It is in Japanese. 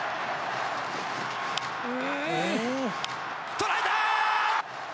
捉えたー！